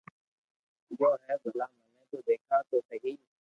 گيو ھي ڀلا مني تو ديکار تو سھي